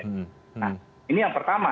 nah ini yang pertama